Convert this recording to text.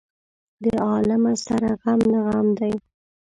د عالمه سره غم نه غم دى.